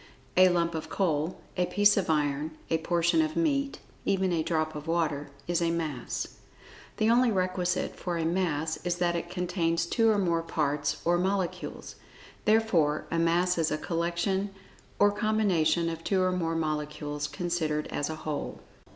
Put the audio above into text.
A lump of coal; a piece of iron; a portion of meat, even a drop of water, is a Mass. The only requisite for a Mass, is that it contains two or more parts or molecules. Therefore a Mass is a collection or combination of two or more molecules, considered as a whole.